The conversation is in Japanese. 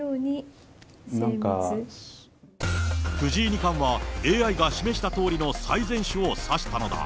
藤井二冠はＡＩが示したとおりの最善手を指したのだ。